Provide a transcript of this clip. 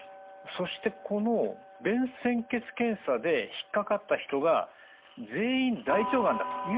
そしてこの便潜血検査で引っ掛かった人が全員大腸がんだというわけではないんですね。